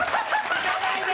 行かないで！